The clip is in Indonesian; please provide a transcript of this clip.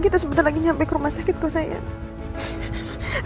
kita sebentar lagi sampai ke rumah sakit sayang